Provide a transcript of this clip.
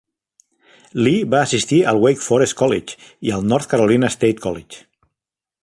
Lee va assistir al Wake Forest College i al North Carolina State College.